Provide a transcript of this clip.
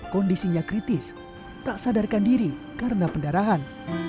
kondisinya kritis tak sadarkan diri karena pendarahan